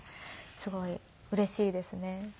すごいうれしいですね。